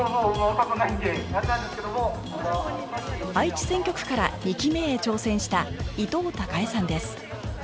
愛知選挙区から２期目へ挑戦した伊藤孝恵さんです